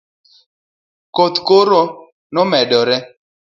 koth koro nomedore